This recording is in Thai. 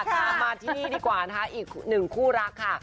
ค่ะมาที่ดีกว่านะคะอีกหนึ่งคู่รักค่ะ